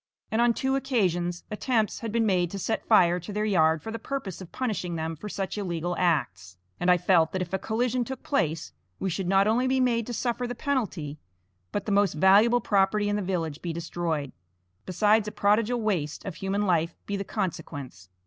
And on two occasions attempts had been made to set fire to their yard for the purpose of punishing them for such illegal acts. And I felt that if a collision took place, we should not only be made to suffer the penalty, but the most valuable property in the village be destroyed, besides a prodigal waste of human life be the consequence.